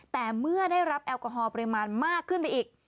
แต่เมื่อได้รับแอลกอฮอลปริมาณมากขึ้นไปอีก